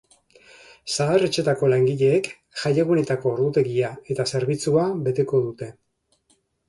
Zahar-etxeetako langileek jaiegunetako ordutegia eta zerbitzua beteko dute.